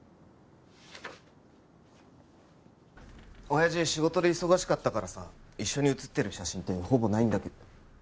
親父仕事で忙しかったからさ一緒に写ってる写真ってほぼないんだけど。